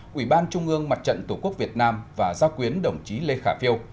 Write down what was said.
quỹ ban trung ương mặt trận tổ quốc việt nam và gia quyến đồng chí lê khả phiêu